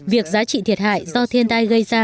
việc giá trị thiệt hại do thiên tai gây ra